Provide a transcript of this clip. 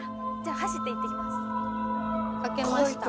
じゃあ走って行ってきます。